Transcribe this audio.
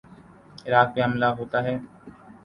عراق پہ حملہ ہوتا ہے۔